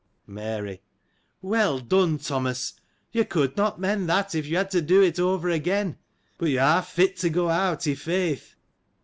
Mary. — Well done, Thomas ! you could not mend that, if you had it to do over again : but, you are fit to go out, i' faith